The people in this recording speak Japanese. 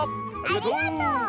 ありがとう！